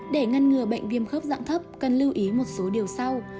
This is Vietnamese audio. để ngăn ngừa bệnh viêm khớp dạng thấp cần lưu ý một số điều sau